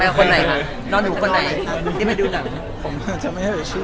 ไปกับคนไหนคะไปกับคนไหนคะ